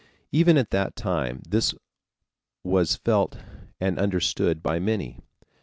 Even at that time this was felt and understood by many.